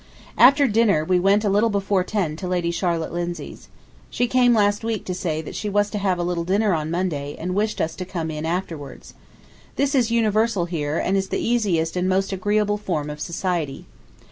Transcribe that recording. After dinner we went a little before ten to Lady Charlotte Lindsay's. She came last week to say that she was to have a little dinner on Monday and wished us to come in afterwards. This is universal here, and is the easiest and most agreeable form of society.